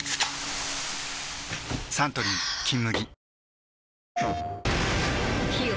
サントリー「金麦」